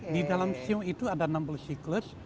di dalam sio itu ada enam puluh siklus